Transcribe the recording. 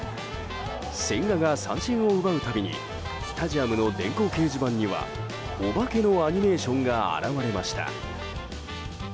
千賀が三振を奪うたびにスタジアムの電光掲示板にはお化けのアニメーションが現れました。